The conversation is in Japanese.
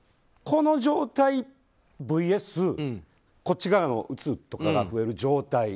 この状態ＶＳこっち側のうつとかが増える状態